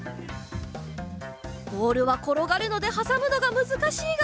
ボールはころがるのではさむのがむずかしいが。